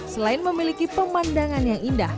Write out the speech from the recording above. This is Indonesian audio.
selain memiliki pemandangan yang indah